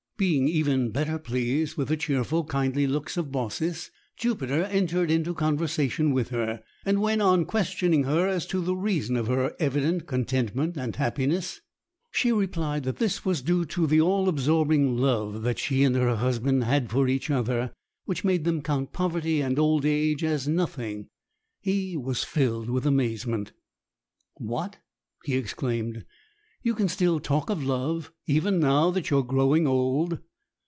Being even better pleased with the cheerful, kindly looks of Baucis, Jupiter entered into conversation with her; and when, on questioning her as to the reason of her evident contentment and happiness, she replied that this was due to the all absorbing love that she and her husband had for each other, which made them count poverty and old age as nothing, he was filled with amazement. "What!" he exclaimed. "You can still talk of love, even now that you are growing old?"